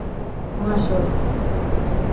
Unha sorte.